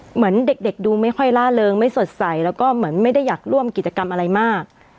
เหมือนเด็กดูไม่ค่อยล่าเริงไม่สดใสแล้วก็เหมือนไม่ได้อยากร่วมกิจกรรมอะไรมาก